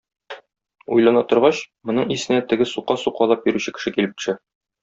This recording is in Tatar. Уйлана торгач, моның исенә теге сука сукалап йөрүче кеше килеп төшә.